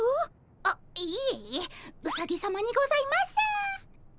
あっいえいえうさぎさまにございます！